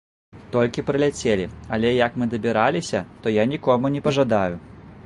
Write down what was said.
Толькі прыляцелі, але як мы дабіраліся, то я нікому не пажадаю.